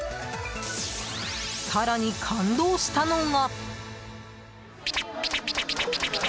更に感動したのが。